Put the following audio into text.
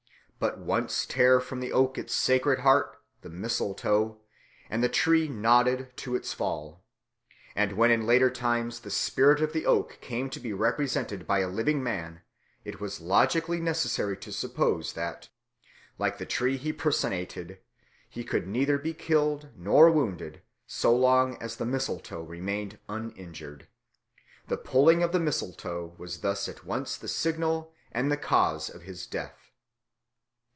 But once tear from the oak its sacred heart the mistletoe and the tree nodded to its fall. And when in later times the spirit of the oak came to be represented by a living man, it was logically necessary to suppose that, like the tree he personated, he could neither be killed nor wounded so long as the mistletoe remained uninjured. The pulling of the mistletoe was thus at once the signal and the cause of his death.